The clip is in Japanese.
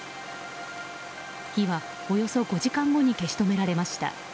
火はおよそ５時間後に消し止められました。